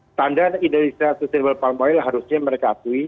standar indonesia sustainable palm oil harusnya mereka akui